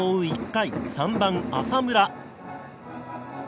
１回３番、浅村。